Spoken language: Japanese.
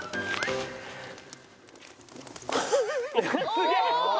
すげえ！